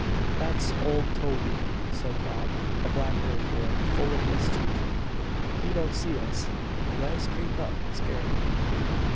"That's old Toby," said Bob, a black haired boy, full of mischief. "He don't see us. Le's creep up and scare him."